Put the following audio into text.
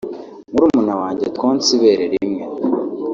“Murumuna wanjye twonse ibere rimwe